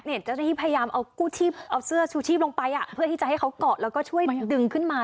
เห็นทั้งคือพยายามเอามัตงสื้อชุชีพลงไปหวังว่าจะให้เขาก่อนและช่วยดึงขึ้นมา